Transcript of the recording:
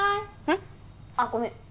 んっ？あっごめん。